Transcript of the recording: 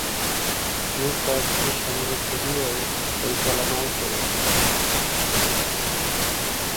তিনি কয়েকটি সংগীত ভিডিও পরিচালনাও করেছিলেন।